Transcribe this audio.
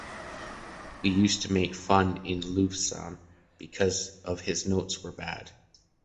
We used to make fun of Luvsan because of his notes were bad.